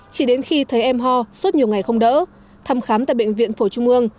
chỉ đến khi thấy em ho suốt nhiều ngày không đỡ thăm khám tại bệnh viện phổ trung ương